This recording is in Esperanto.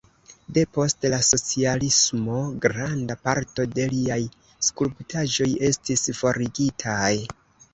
Depost la socialismo granda parto de liaj skulptaĵoj estis forigitaj.